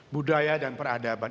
budaya dan peradaban